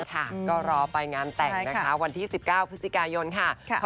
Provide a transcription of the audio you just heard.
ก็รอไปงานแต่งนะคะวันที่๑๙พฤศจิกายนค่ะ